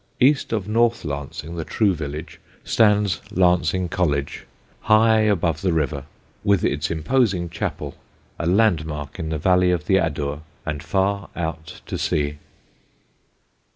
East of North Lancing, the true village, stands Lancing College, high above the river, with its imposing chapel, a landmark in the valley of the Adur and far out to sea.